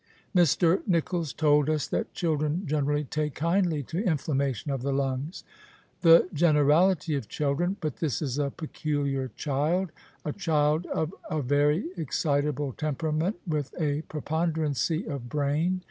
"Mr. Nicholls told us that children generally take kindly to inflammation of the lungs." "The generality of children. But this is a peculiar child — a child of a very excitable temperament, with a preponderancy of brain.